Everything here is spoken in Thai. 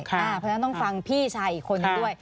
เพราะฉะนั้นต้องฟังพี่ชายอีกคนนึงด้วย